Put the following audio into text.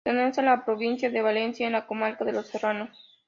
Pertenece a la provincia de Valencia, en la comarca de Los Serranos.